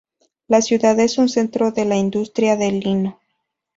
La ciudad es un centro de la industria del lino.